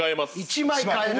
１枚替える？